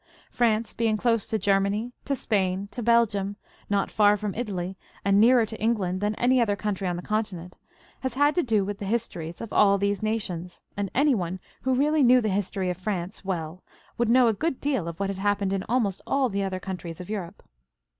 France being close to Germany, to Spain, to Belgium, not far from Italy, and nearer to England than any other country on the Continent, has had to do with the histories of all these nations; and any one who really knew the history of France well would know a good deal of what had happened in almost all the other countries of Europe.